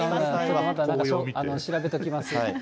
調べておきます。